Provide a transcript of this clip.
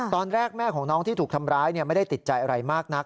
ตอนแรกแม่ของน้องที่ถูกทำร้ายไม่ได้ติดใจอะไรมากนัก